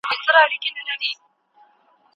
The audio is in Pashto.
پوهانو وویل چي څېړونکی باید روڼ اندئ وي.